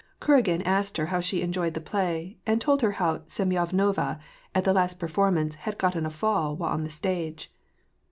Kuragin asked her how she enjoyed the play, and told her how Semyonova, at the last performance, had gotten a fall while on the stage.